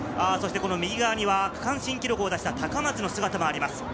右側には区間新を出した高松の姿もあります。